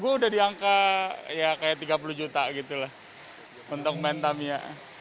gue udah diangka ya kayak tiga puluh juta gitu lah untuk main tamiya